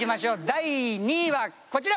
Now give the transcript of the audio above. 第２位はこちら！